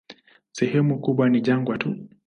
Sehemu kubwa ni jangwa tu.